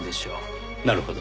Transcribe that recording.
なるほど。